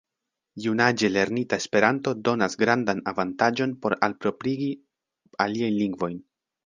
Junaĝe lernita Esperanto donas grandan avantaĝon por alproprigi aliajn lingvojn.